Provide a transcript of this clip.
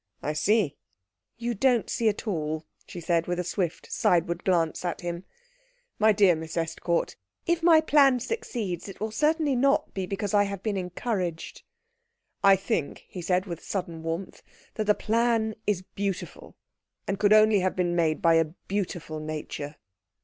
"I see." "You don't see at all," she said, with a swift sideward glance at him. "My dear Miss Estcourt " "If my plan succeeds it will certainly not be because I have been encouraged." "I think," he said with sudden warmth, "that the plan is beautiful, and could only have been made by a beautiful nature."